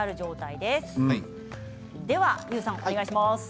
では悠さんお願いします。